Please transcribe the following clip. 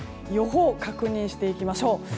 予報を確認していきましょう。